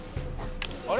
あれ？